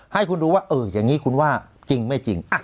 ให้คุณดูว่าเอออย่างนี้คุณว่าจริงไม่จริง